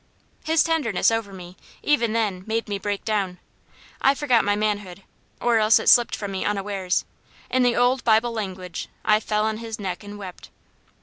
His tenderness over me, even then, made me break down. I forgot my manhood, or else it slipped from me unawares. In the old Bible language, "I fell on his neck and wept."